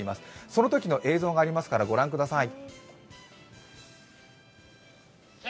そのときの映像がありますから御覧ください。